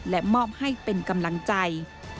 และมอบให้เป็นกำลังใจ